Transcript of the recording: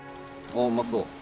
あうまそう。